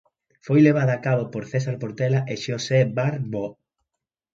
Foi levada a cabo por César Portela e Xosé Bar Boo.